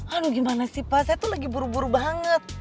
aduh gimana sih pak saya tuh lagi buru buru banget